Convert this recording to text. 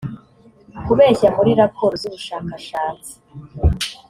kubeshya muri raporo z ubushakashatsi